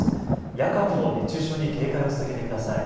夜間も熱中症に警戒を続けてください。